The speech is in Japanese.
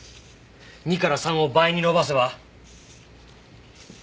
２から３を倍に伸ばせば。